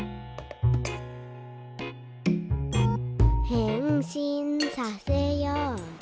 「へんしんさせようぜ」